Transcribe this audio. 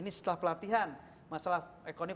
ini setelah pelatihan masalah ekonomi